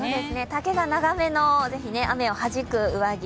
丈が長めの雨をはじく上着